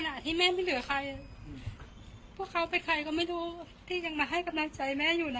ที่แม่ไม่เหลือใครพวกเขาเป็นใครก็ไม่รู้ที่ยังมาให้กำลังใจแม่อยู่นะ